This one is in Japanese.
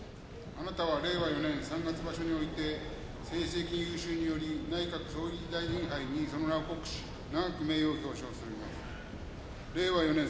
あなたは令和４年三月場所において成績優秀により内閣総理大臣杯にその名を刻し永く名誉を表彰します